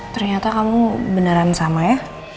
ternyata kamu beneran sama ya